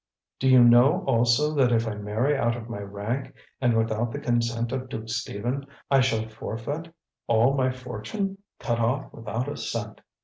"Do you know also that if I marry out of my rank and without the consent of Duke Stephen, I shall forfeit all my fortune?" "'Cut off without a cent!'"